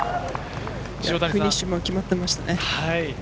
フィニッシュも決まっていました。